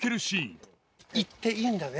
「言っていいんだね」